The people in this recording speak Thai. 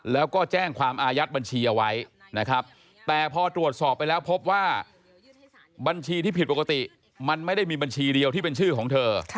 แล้วก็แจ้งความอายัดบัญชีเอาไว้นะครับแต่พอตรวจสอบไปแล้วพบว่าบัญชีที่ผิดปกติมันไม่ได้มีบัญชีเดียวที่เป็นชื่อของเธอ